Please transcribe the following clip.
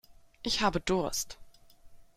Ich habe Durst.